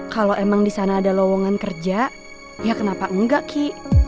kalau emang di sana ada lowongan kerja ya kenapa enggak ki